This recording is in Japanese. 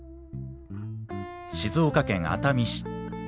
静岡県熱海市。